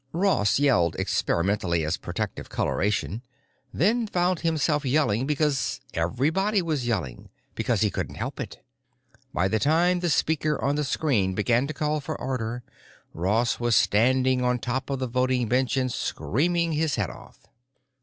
Ross yelled experimentally as protective coloration, then found himself yelling because everybody was yelling, because he couldn't help it. By the time the speaker on the screen began to call for order, Ross was standing on top of the voting bench and screaming his head off.